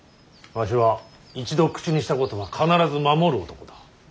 わしは一度口にしたことは必ず守る男だ。